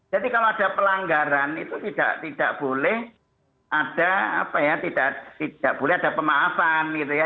jadi kalau ada pelanggaran itu tidak boleh ada apa ya tidak boleh ada pemaafan gitu ya